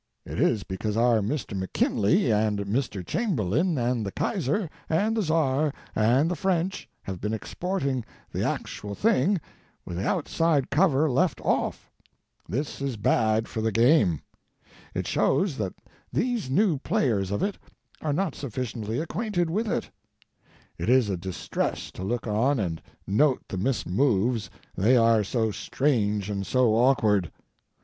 It is because our Mr. McKinley, and Mr. Cham berlain, and the Kaiser, and the Czar and the French have been exporting the Actual Thing with the outside cover left off. This is bad for the Game. It shows that these new players of it are not sufficiently acquainted with it. It is a distress to look on and note the mismoves, they are so strange and so awkward.